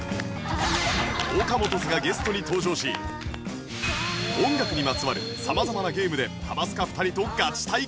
ＯＫＡＭＯＴＯ’Ｓ がゲストに登場し音楽にまつわる様々なゲームで『ハマスカ』２人とガチ対決！